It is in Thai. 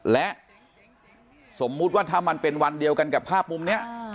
และสมมุติว่าถ้ามันเป็นวันเดียวกันกับภาพมุมนี้